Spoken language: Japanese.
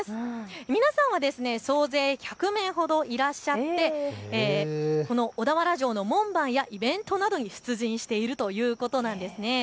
皆さんは総勢１００名ほどいらっしゃってこの小田原城の門番やイベントなどに出陣しているということです。